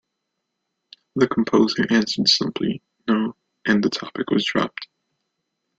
The composer answered simply "No", and the topic was dropped.